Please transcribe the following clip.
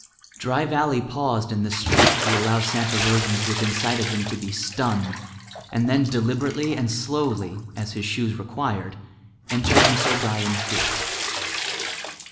Dry Valley paused in the street to allow Santa Rosans within sight of him to be stunned; and then deliberately and slowly, as his shoes required, entered Mrs. O'Brien's gate.